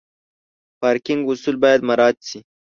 پارکینګ اصول باید مراعت شي.